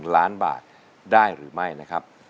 ล้านบาทได้หรือไม่นะครับ